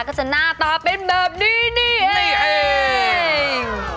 ก็จะหน้าตาเป็นแบบนี้นี่เอง